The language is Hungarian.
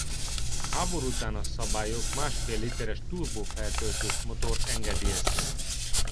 A háború után a szabályok másfél literes turbófeltöltős motort engedélyeztek.